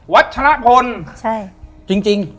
วัฒนภนจริง